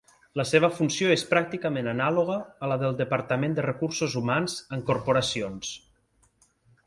La seva funció és pràcticament anàloga a la del departament de recursos humans en corporacions.